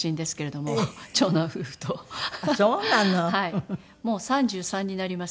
もう３３になります。